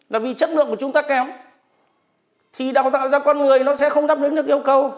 là vì chất lượng của chúng ta kém thì đào tạo ra con người nó sẽ không đáp ứng được yêu cầu